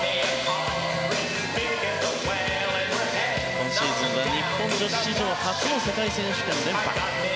今シーズンは日本女子史上初の世界選手権連覇。